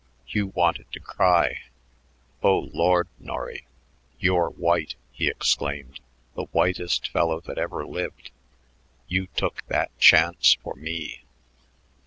Hugh wanted to cry. "Oh, Lord, Norry, you're white," he exclaimed. "The whitest fellow that ever lived. You took that chance for me."